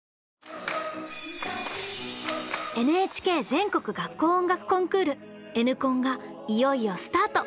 ＮＨＫ全国学校音楽コンクール「Ｎコン」がいよいよスタート！